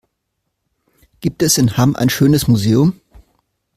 Gibt es in Hamm ein schönes Museum?